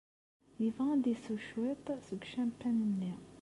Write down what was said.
Yebɣa ad isew cwiṭ seg ucampan-nni.